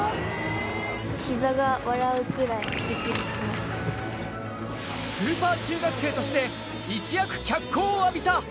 ひざが笑うくらい、スーパー中学生として、一躍脚光を浴びた。